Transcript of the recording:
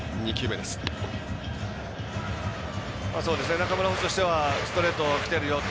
中村捕手としてはストレートきてるよと。